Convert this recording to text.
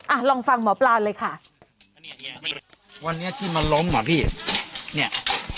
อ่ะลองฟังหมอปลาเลยค่ะวันนี้ที่มันล้มอ่ะพี่เนี้ย